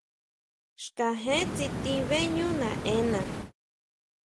Xkajén tsitin beʼñú naʼena.